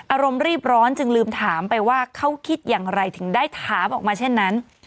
อารมณ์รีบร้อนจึงลืมถามไปว่าเขาคิดอย่างไรถึงได้ถามออกมาเช่นนั้น